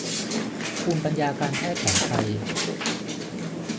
ภูมิปัญญาการแพทย์แผนไทย